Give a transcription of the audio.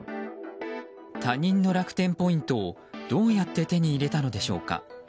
他人の楽天ポイントをどうやって手に入れたのでしょうか。